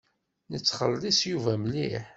Nettxelliṣ Yuba mliḥ.